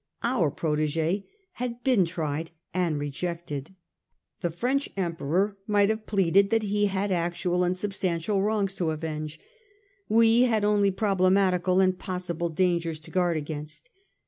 Our protegS had been tried and rejected. The French Emperor might have pleaded that he had actual and substantial wrongs to avenge. We had only problematical and possible dangers to guard against.